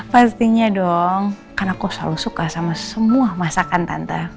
pastinya dong karena aku selalu suka sama semua masakan tante